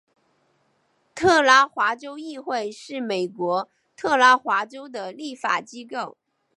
特拉华州议会是美国特拉华州的立法机构。